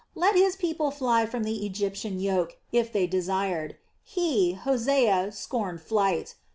Let his people fly from the Egyptian yoke, if they desired. He, Hosea, scorned flight.